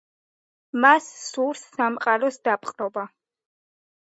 მას სურს სამყაროს დაპყრობა.